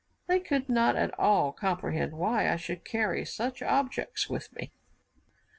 They could not at all comprehend why I should carry such objects with me.